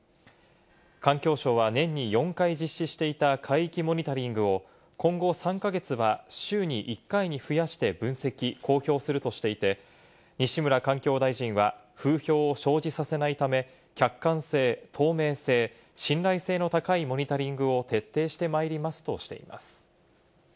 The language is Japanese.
環境省は年に４回実施していた海域モニタリングを今後３か月は週に１回に増やして分析・公表するとしていて、西村環境大臣は風評を生じさせないため、客観性・透明性・信頼性の高いモニタリングを徹底してまいりますとしています。